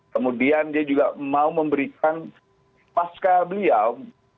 kemudian dia juga mau memberikan pasca beliau